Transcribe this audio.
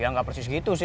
ya gak persis gitu sih